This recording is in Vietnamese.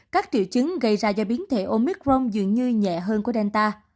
các triệu chứng gây ra do biến thể omicron dường như nhẹ hơn của delta